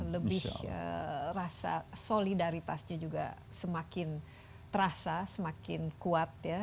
lebih rasa solidaritasnya juga semakin terasa semakin kuat ya